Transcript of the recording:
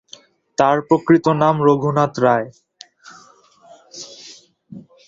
তার প্রকৃত নাম রঘুনাথ রায়।